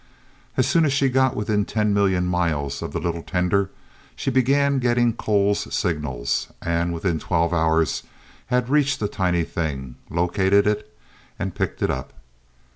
As soon as she got within ten million miles of the little tender, she began getting Cole's signals, and within twelve hours had reached the tiny thing, located it, and picked it up.